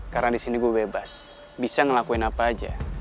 karena di sini gue bebas bisa ngelakuin apa aja